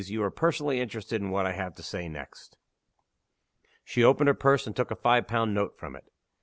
You are personally interested in what I have to say next." She opened her purse, and took a five pound note from it.